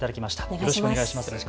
よろしくお願いします。